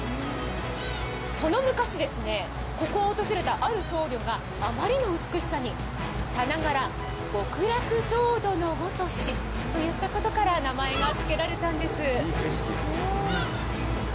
その昔、ここを訪れたある僧侶があまりの美しさにさながら極楽浄土のごとしと言ったことから名前がつけられたんです。